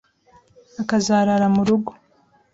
Akazarara mu rugo